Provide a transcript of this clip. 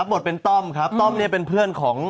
รับบทเป็นต้อมครับต้อมเป็นเพื่อนของ